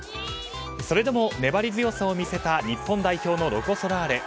それでも、粘り強さを見せた日本代表のロコ・ソラーレ。